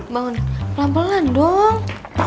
bangun pelan pelan dong